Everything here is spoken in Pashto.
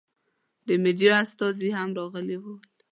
د مېډیا استازي هم راغلي ول.